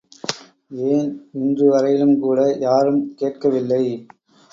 ஏன் இன்று வரையிலும் கூட யாரும் கேட்கவில்லை!